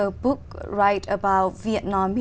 trong một năm